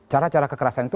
cara cara kekerasan itu